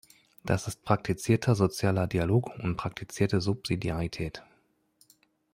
Das ist praktizierter sozialer Dialog und praktizierte Subsidiarität.